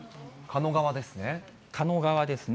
狩野川ですね。